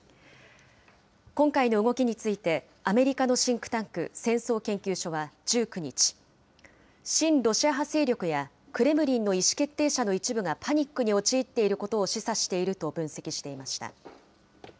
今回の動きについて、アメリカのシンクタンク戦争研究所は１９日、親ロシア派勢力やクレムリンの意思決定者の一部がパニックに陥っていることを示唆していると分析していました。